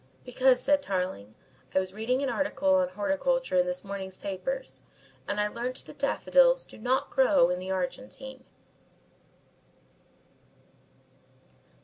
"Because," said Tarling, "I was reading an article on horticulture in this morning's papers and I learnt that daffodils do not grow in the Argentine."